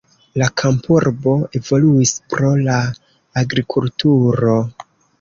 La kampurbo evoluis pro la agrikulturo.